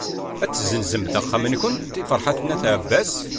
Ad tezzenzemt axxam-nkent i Ferḥat n At Ɛebbas?